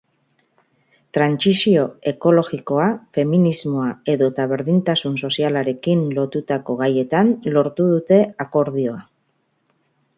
Trantsizio ekologikoa, feminismoa edota berdintasun sozialarekin lotutako gaietan lortu dute akordioa.